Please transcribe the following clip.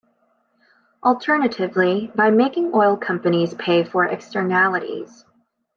Alternatively, by making oil companies pay for externalities.